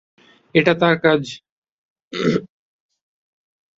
এটা তার কাজ।